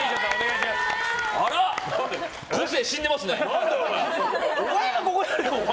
あら、個性死んでますね。